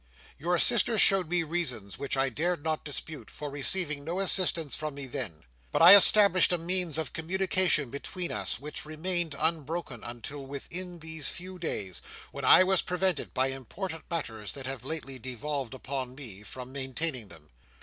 Your sister showed me reasons which I dared not dispute, for receiving no assistance from me then; but I established a means of communication between us, which remained unbroken until within these few days, when I was prevented, by important matters that have lately devolved upon me, from maintaining them."